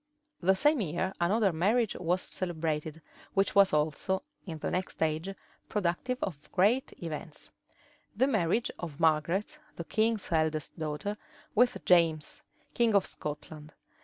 The same year another marriage was celebrated, which was also, in the next age, productive of great events; the marriage of Margaret, the king's eldest daughter, with James, king of Scotland.